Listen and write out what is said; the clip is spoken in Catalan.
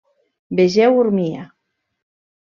Vegeu Urmia.